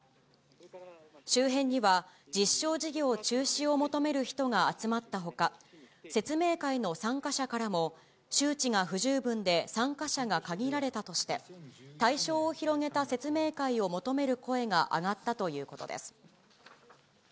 周辺には実証事業中止を求める人が集まったほか、説明会の参加者からも、周知が不十分で、参加者が限られたとして、対象を広げた説明会を求める声が上がったということです。